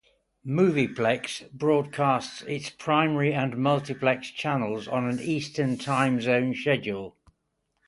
MoviePlex broadcasts its primary and multiplex channels on an Eastern Time Zone schedule.